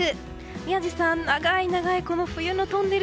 宮司さん、長い長い冬のトンネル